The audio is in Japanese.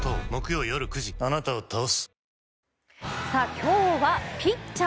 今日はピッチャー